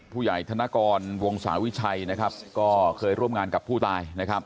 ธนกรวงศาวิชัยนะครับก็เคยร่วมงานกับผู้ตายนะครับ